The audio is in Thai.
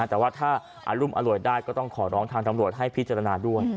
แต่ว่าถ้าอารุมอร่วยได้ก็ต้องขอร้องทางตำรวจให้พิจารณาด้วย